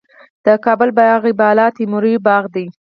د کابل باغ بالا تیموري باغ دی